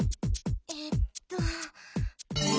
えっと。